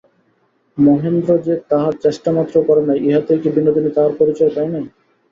মহেন্দ্র যে তাহার চেষ্টামাত্রও করে নাই, ইহাতেই কি বিনোদিনী তাহার পরিচয় পায় নাই।